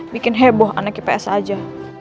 bikin heboh anak ips aja